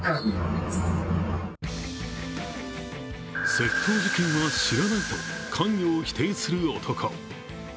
窃盗事件は知らないと関与を否定する男。